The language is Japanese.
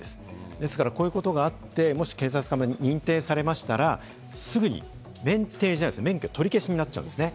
ですから、こういうことがあって、もし警察から認定されましたら、すぐに免停じゃない、免許取り消しになっちゃうんですね。